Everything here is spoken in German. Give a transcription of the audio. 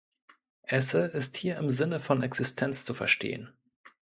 Esse ist hier im Sinne von Existenz zu verstehen.